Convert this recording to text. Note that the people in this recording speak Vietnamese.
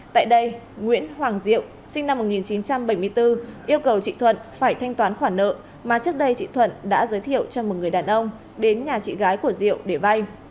tại đây nguyễn hoàng diệu sinh năm một nghìn chín trăm bảy mươi bốn yêu cầu chị thuận phải thanh toán khoản nợ mà trước đây chị thuận đã giới thiệu cho một người đàn ông đến nhà chị gái của diệu để vay